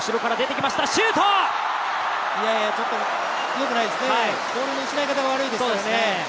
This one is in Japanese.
よくないですね、ボールの失い方が悪いですからね。